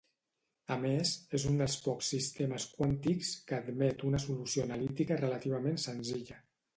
A més, és un dels pocs sistemes quàntics que admet una solució analítica relativament senzilla.